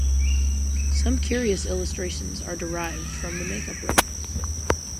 Some curious illustrations are derived from the makeup room.